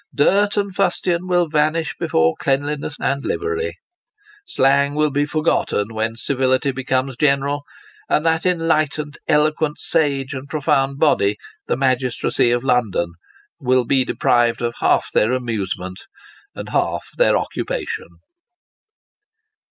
Dirt and fustian will vanish before cleanliness and livery. Slang will be forgotten when civility becomes general : and that enlightened, eloquent, sage, and profound body, the Magistracy of London, will bo deprived of half their amusement, and half their occupation.